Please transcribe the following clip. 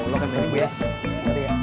terima kasih ya